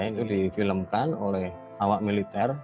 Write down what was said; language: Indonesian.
nu difilmkan oleh awak militer